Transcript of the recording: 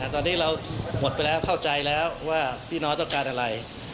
ตอนนี้เราหมดไปแล้วเข้าใจแล้วว่าพี่น้องต้องการอะไร